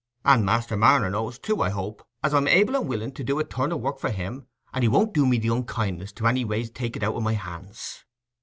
"And Master Marner knows too, I hope, as I'm able and willing to do a turn o' work for him, and he won't do me the unkindness to anyways take it out o' my hands."